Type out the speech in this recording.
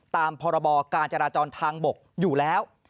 ตามพรบการจราจรทางบกอยู่แล้ว